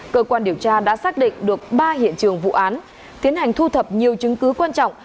cơ quan điều tra đã xác định được ba hiện trường vụ án tiến hành thu thập nhiều chứng cứ quan trọng